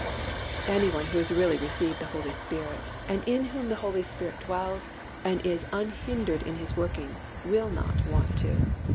Any one who has really received the Holy Spirit, and in whom the Holy Spirit dwells and is unhindered in His working will not want to.